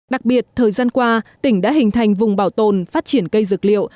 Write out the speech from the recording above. đặc biệt thời gian qua tỉnh đã hình thành vùng bảo tồn phát triển cây dược liệu